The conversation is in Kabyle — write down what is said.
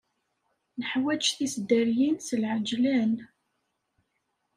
Neḥwaǧ tiseddaryin s lɛeǧlan.